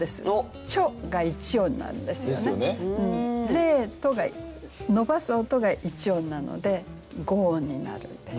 「レート」が伸ばす音が一音なので五音になるんです。